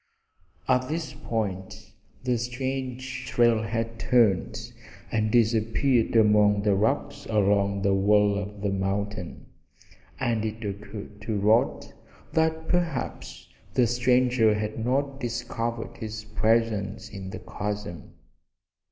At this point the strange trail had turned and disappeared among the rocks along the wall of the mountain, and it occurred to Rod that perhaps the stranger had not discovered his presence in the chasm.